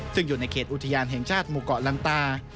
ซึ่งอยู่ในเขตอุทยานแห่งชาติหมู่เกาะลันตา